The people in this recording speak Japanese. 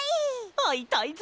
あいたいぞ！